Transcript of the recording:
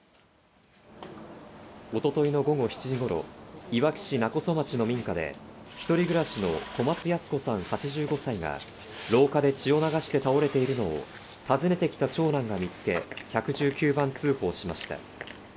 一昨日の午後７時頃、いわき市勿来町の民家で一人暮らしの小松ヤス子さん、８５歳が廊下で血を流して倒れているのを訪ねてきた長男が見つけ、１１９番通報しました。